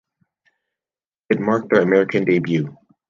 It marked their American debut.